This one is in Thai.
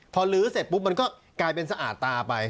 พอลื้อเสร็จปุ๊บมันก็กลายเป็นสะอาดตาไป